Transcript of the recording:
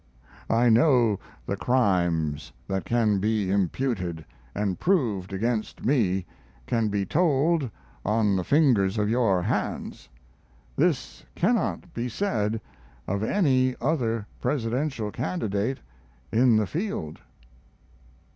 I know the crimes that can be imputed and proved against me can be told on the fingers of your hands. This cannot be said of any other Presidential candidate in the field.